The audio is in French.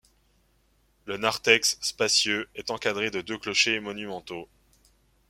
Le narthex, spacieux, est encadré de deux clochers monumentaux.